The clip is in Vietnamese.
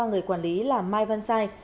người quản lý là mai văn sai